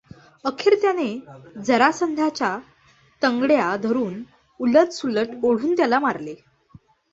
अखेर त्याने जरासंधाच्या तंगड्या धरून उलटसुलट ओढून त्याला मारले.